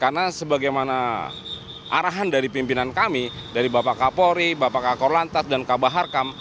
karena sebagaimana arahan dari pimpinan kami dari bapak kapolri bapak kak korlantas dan kak baharkam